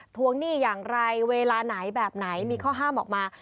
ทวงหนี้อย่างไรเวลาไหนแบบไหนมีข้อห้ามออกมา